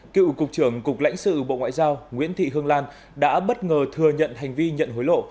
cựu cục trưởng cục lãnh sự bộ ngoại giao nguyễn thị hương lan đã bất ngờ thừa nhận hành vi nhận hối lộ